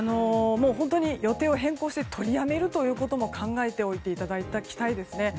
本当に予定を変更して取りやめることも考えておいていただきたいですね。